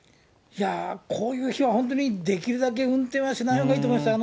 こういう日は、できるだけ運転はしないほうがいいと思いますね。